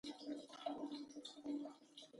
له ما څخه لږ څه وړاندې وه، پر پیره ولاړ عسکر.